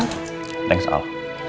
terima kasih al